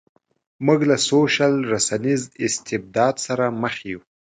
موږ له سوشل رسنیز استبداد سره مخ یو.